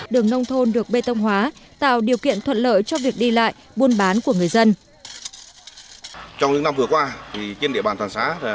đường nông thôn được bê tông hóa tạo điều kiện thuận lợi cho việc đi lại buôn bán của người dân